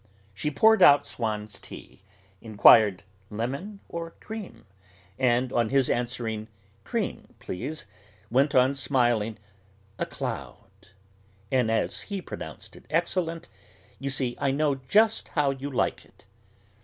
She poured out Swann's tea, inquired "Lemon or cream?" and, on his answering "Cream, please," went on, smiling, "A cloud!" And as he pronounced it excellent, "You see, I know just how you like it."